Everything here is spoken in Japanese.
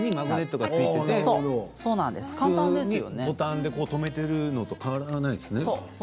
ボタンで留めているのと変わらないですね。